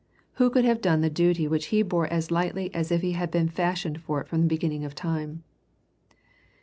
Who could have done the duty which he bore as lightly as if he had been fashioned for it from the beginning of time?